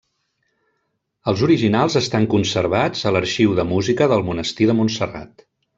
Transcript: Els originals estan conservats a l'Arxiu de Música del Monestir de Montserrat.